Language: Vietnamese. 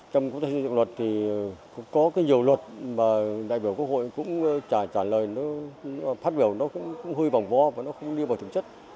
trong công tác thảo luận thì có nhiều luật mà đại biểu quốc hội cũng trả lời phát biểu nó cũng hơi bỏng vô và nó không đi vào thực chất